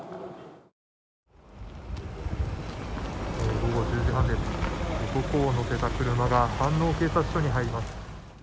午後１０時半です、男を乗せた車が飯能警察署に入ります。